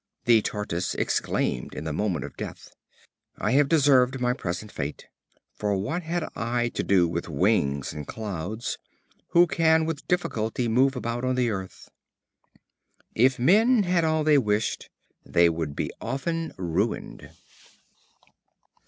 The Tortoise exclaimed in the moment of death: "I have deserved my present fate; for what had I to do with wings and clouds, who can with difficulty move about on the earth?" If men had all they wished, they would be often ruined.